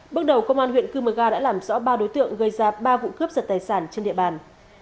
bước đầu công an huyện cư mờ ga đã làm rõ ba đối tượng gây ra ba vụ cướp giật tài sản trên địa bàn